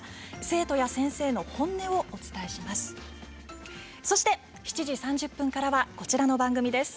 生徒や先生の本音をお伝えします。